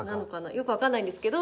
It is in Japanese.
よくわからないんですけど。